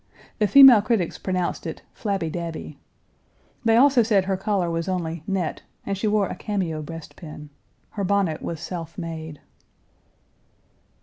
The female critics pronounced it "flabby dabby." They also said her collar was only "net," and she wore a cameo breastpin. Her bonnet was self made.